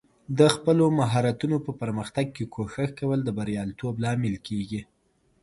د خپل مهارتونو په پرمختګ کې کوښښ کول د بریالیتوب لامل کیږي.